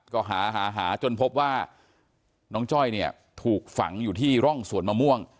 ก็หาหาจนพบว่าน้องจ้อยเนี่ยถูกฝังอยู่ที่ร่องสวนมะม่วง